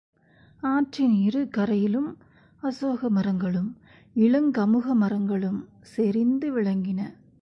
ஆற்றின் இரு கரையிலும் அசோக மரங்களும் இளங் கமுக மரங்களும் செறிந்து விளங்கின.